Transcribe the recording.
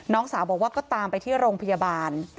น้องสาวบอกว่าก็ตามไปที่โรงพยาบาล